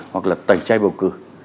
hoặc là tẩy chay bầu cử